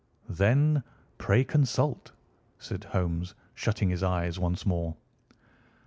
"Then, pray consult," said Holmes, shutting his eyes once more.